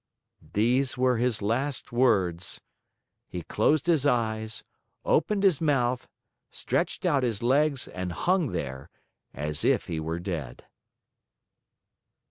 These were his last words. He closed his eyes, opened his mouth, stretched out his legs, and hung there, as if he were dead.